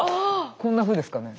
こんなふうですかね？